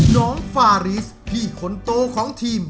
น้องฟาริสพี่คนโตของทีม